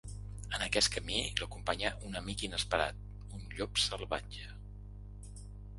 En aquest camí l’acompanya un amic inesperat: un llop salvatge.